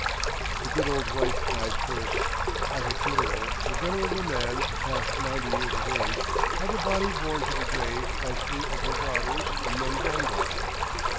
The good old wife died first. At her funeral the venerable man, past ninety years of age, had the body borne to the grave by three of her daughters and one granddaughter.